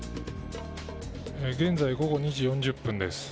現在、午後２時４０分です。